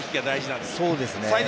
大事ですね。